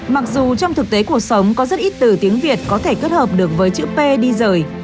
mặc dù trong thực tế cuộc sống có rất ít từ tiếng việt có thể kết hợp được với chữ p đi rời